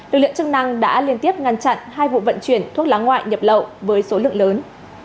lực lượng chức năng đã liên tiếp ngăn chặn hai vụ vận chuyển thuốc lá ngoại nhập lậu với số lượng lớn